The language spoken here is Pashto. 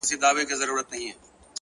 هره ورځ د ځان سمولو فرصت لري!